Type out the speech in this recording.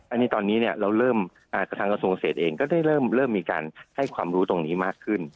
อันนี้ตอนนี้เนี่ยเราเริ่มจากทางกระทรวงเศษเองก็ได้เริ่มมีการให้ความรู้ตรงนี้มากขึ้น